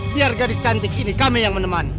biar gadis cantik ini kami yang meneman